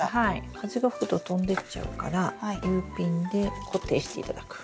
風が吹くと飛んでっちゃうからＵピンで固定して頂く。